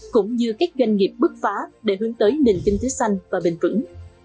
cũng như các doanh nghiệp bước phá để hướng tới nền kinh tế xanh và bền vững